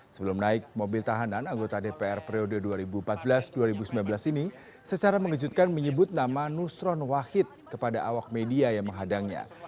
sebelum naik mobil tahanan anggota dpr periode dua ribu empat belas dua ribu sembilan belas ini secara mengejutkan menyebut nama nustron wahid kepada awak media yang menghadangnya